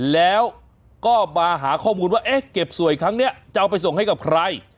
แล้วก็มาหาข้อมูลว่าเอ๊ะเก็บสวยครั้งนี้จะเอาไปส่งให้กับใคร